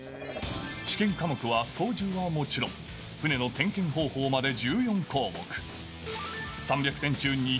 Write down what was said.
試験科目は操縦はもちろん、船の点検方法まで１４項目。